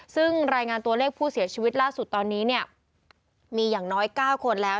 ซึ่งรายงานตัวเลขผู้เสียชีวิตล่าสุดตอนนี้เนี่ยมีอย่างน้อย๙คนแล้ว